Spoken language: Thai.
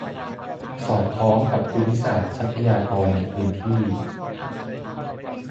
สอดคล้องกับภูมิศาสตร์ ทรัพยากร ในพื้นที่